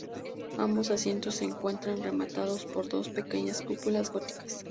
Ambos asientos se encuentran rematados por dos pequeñas cúpulas góticas.